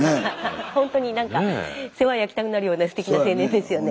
ほんとになんか世話焼きたくなるようなすてきな青年ですよね。